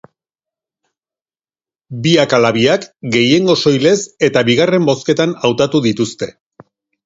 Biak ala biak gehiengo soilez eta bigarren bozketan hautatu dituzte.